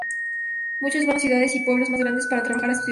Muchos van a ciudades o pueblos más grandes para trabajar o estudiar.